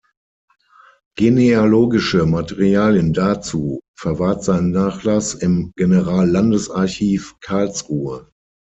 Genealogische Materialien dazu verwahrt sein Nachlass im Generallandesarchiv Karlsruhe.